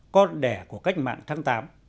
con đẻ của cách mạng tháng tám